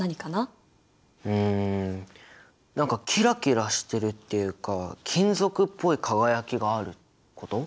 うん何かキラキラしてるっていうか金属っぽい輝きがあること？